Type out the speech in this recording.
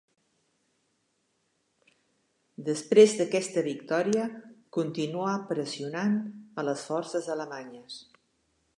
Després d'aquesta victòria continuà pressionant a les forces alemanyes.